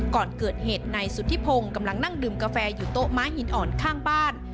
ก่อนเกิดเหตุนายสุธิพงศ์กำลังนั่งดื่มกาแฟอยู่โต๊ะม้าหินอ่อนข้างบ้าน